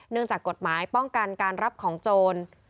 จากกฎหมายป้องกันการรับของโจร